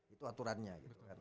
itu aturannya gitu kan